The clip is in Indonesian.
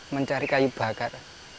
mencari kayu bakar